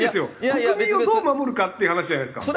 国民をどう守るかっていう話じゃないですか。